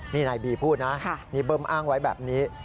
นี่นายบีพูดนะนี่เบิ้มอ้างไว้แบบนี้